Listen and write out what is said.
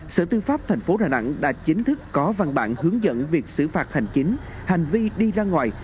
sở tư pháp tp đà nẵng đã chính thức có văn bản hướng dẫn việc xử phạt hành chính hành vi đi ra ngoài